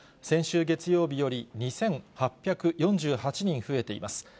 先週月曜日より２８４８人増えています。